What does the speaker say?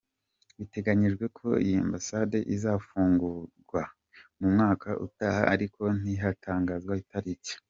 Biteganyijwe ko iyi Ambasade izafungurwa mu mwaka utaha ariko ntiharatangazwa itariki.